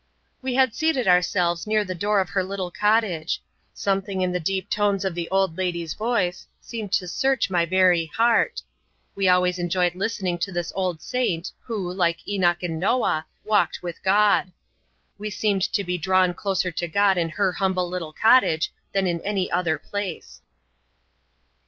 We had seated ourselves near the door of her little cottage. Something in the deep tones of the old lady's voice seemed to search my very heart. We always enjoyed listening to this old saint who, like Enoch and Noah, walked with God. We seemed to be drawn closer to God in her humble little cottage than in any other place.